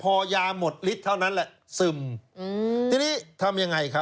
พอยาหมดลิตเท่านั้นแหละซึม